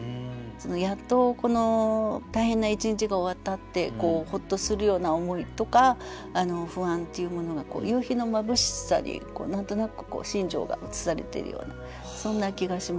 やっとこの大変な一日が終わったってホッとするような思いとか不安っていうものが夕日の眩しさに何となく心情が映されているようなそんな気がします。